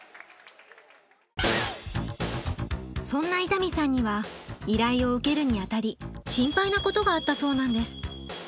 そんな伊丹さんには依頼を受けるにあたり心配なことがあったそうなんです。